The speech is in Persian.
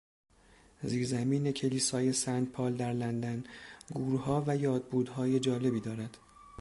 زیرزمین کلیسای سنت پال در لندن گورها و یادبودهای جالبی دارد.